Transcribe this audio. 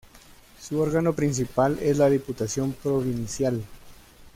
Su órgano principal es la Diputación Provincial.